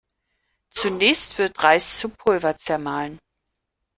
Zunächst wird Reis zu Pulver zermahlen.